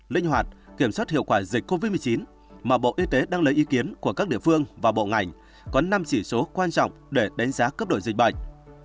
linh hoạt kiểm soát hiệu quả dịch covid một mươi chín mà bộ y tế đang lấy ý kiến của các địa phương và bộ ngành có năm chỉ số quan trọng để đánh giá cấp đổi dịch bệnh